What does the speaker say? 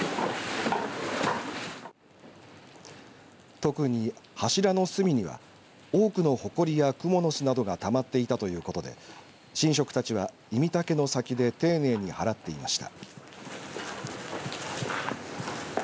特に柱の隅には多くのほこりやくもの巣などがたまっていたということで神職たちは、斎竹の先で丁寧に払っていました。